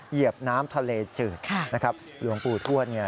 เหยียบน้ำทะเลจืดนะครับหลวงปู่ทวดเนี่ย